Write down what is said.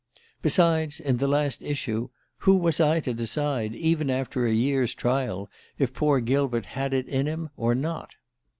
Besides, in the last issue, who was I to decide, even after a year's trial, if poor Gilbert had it in him or not?